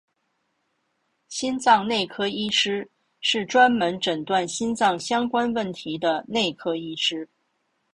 心脏内科医师是专门诊断心脏相关问题的内科医师。